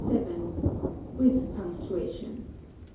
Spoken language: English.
With Punctuation.